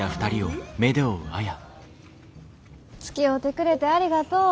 つきおうてくれてありがとう。